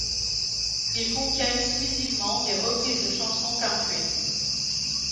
Il contient exclusivement des reprises de chansons country.